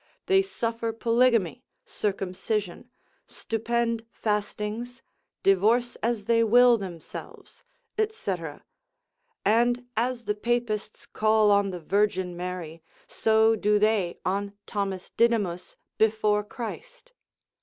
They suffer polygamy, circumcision, stupend fastings, divorce as they will themselves, &c., and as the papists call on the Virgin Mary, so do they on Thomas Didymus before Christ.